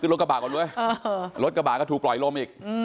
ซึ่งลดกระบากก่อนด้วยลดกระบากก็ถูกปล่อยลมอีก